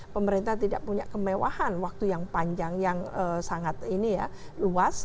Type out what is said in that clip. pemerintah tidak punya kemewahan waktu yang panjang yang sangat ini ya luas